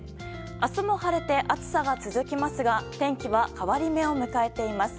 明日も晴れて、暑さが続きますが天気は変わり目を迎えています。